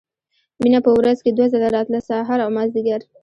مينه په ورځ کښې دوه ځله راتله سهار او مازديګر.